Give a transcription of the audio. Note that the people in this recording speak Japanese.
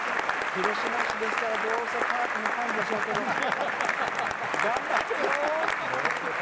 広島市ですから、どうせカープのファンでしょうけど頑張れよ！